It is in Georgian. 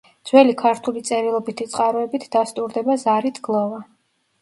ძველი ქართული წერილობითი წყაროებით დასტურდება ზარით გლოვა.